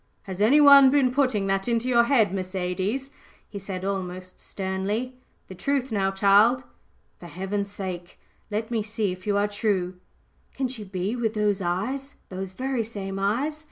"Has any one been putting that into your head, Mercedes?" he said, almost sternly. "The truth, now, child for Heaven's sake let me see if you are true! Can she be with those eyes those very same eyes?"